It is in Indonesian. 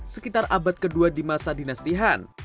sekitar abad ke dua di masa dinasti han